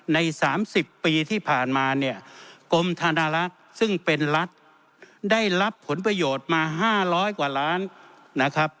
ใน๓๐ปีที่ผ่านมาเนี่ยกรมธนลักษณ์ซึ่งเป็นรัฐได้รับผลประโยชน์มา๕๐๐กว่าล้านนะครับ